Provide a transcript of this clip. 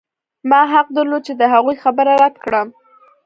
ما حق درلود چې د هغوی خبره رد کړم